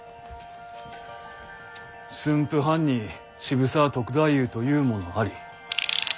「駿府藩に渋沢篤太夫というものあり。